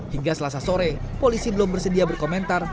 hingga selasa sore polisi belum bersedia berkomentar